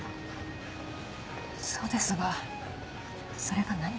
そうですがそれが何か？